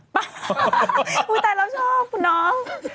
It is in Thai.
ไปอุ้ยตายแล้วชอบคุณน้อง